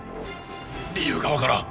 理由がわからん。